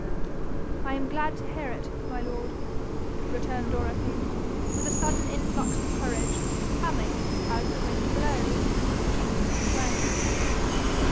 'I am glad to hear it, my lord,' returned Dorothy, with a sudden influx of courage, coming, as the wind blows, she knew not whence.